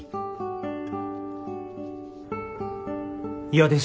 嫌です。